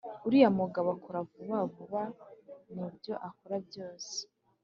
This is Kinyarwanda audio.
Uriya mugabo akora vuba vuba mubyo akora byose